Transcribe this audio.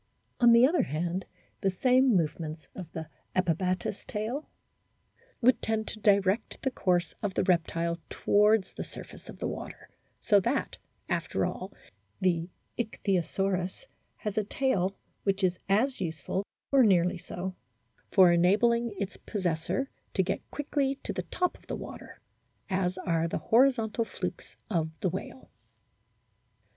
On the other hand, the same movements of the epibatous tail would tend to direct the course of the reptile towards the surface of the water ; so that, after all, the Ichthyosaurus has a tail which is as useful, or nearly so, for enabling its possessor to get quickly to the top of the water, as are the horizontal flukes of the whale.